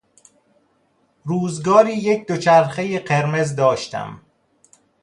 روزگاری یک دوچرخه قرمز داشتم.